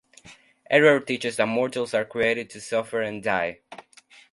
Error teaches that mortals are created to suffer and die.